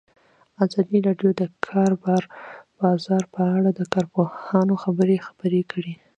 ازادي راډیو د د کار بازار په اړه د کارپوهانو خبرې خپرې کړي.